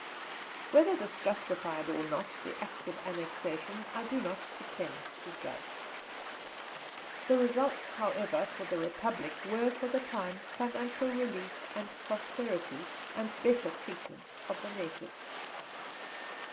Whether this justified or not the act of annexation I do not pretend to judge. The results, however, for the Republic were for the time, financial relief and prosperity, and better treatment of the natives.